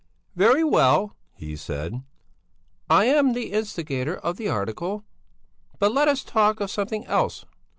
"Very well," he said, "I am the instigator of the article. But let us talk of something else!